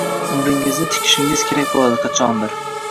Umringizni tikishingiz kerak bo‘ladi qachondir.